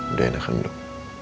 udah enak kan dok